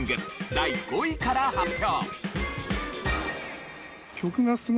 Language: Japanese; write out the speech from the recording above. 第５位から発表。